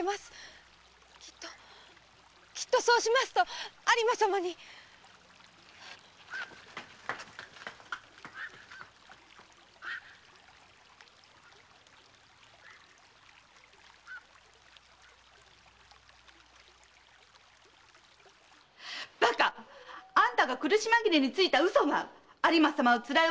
きっときっとそうしますと有馬様に！バカ！あんたがついたウソが有馬様をつらいお立場に追いやったのよ！